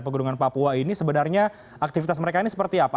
pegunungan papua ini sebenarnya aktivitas mereka ini seperti apa